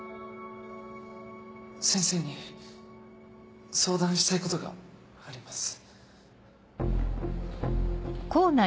先生に相談したいことがあります。